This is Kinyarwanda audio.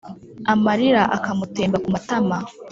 amarira akamutemba ku matama;